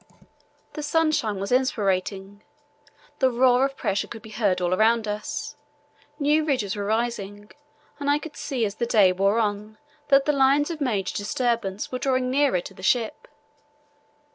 The sunshine was inspiriting. The roar of pressure could be heard all around us. New ridges were rising, and I could see as the day wore on that the lines of major disturbance were drawing nearer to the ship.